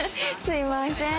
すいません。